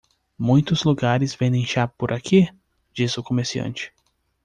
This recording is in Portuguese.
"Muitos lugares vendem chá por aqui?", disse o comerciante.